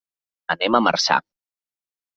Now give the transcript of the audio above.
Anem a Marçà.